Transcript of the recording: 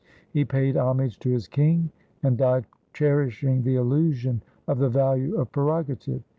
He paid homage to his King, and died cherishing the illusion of the value of prerogative.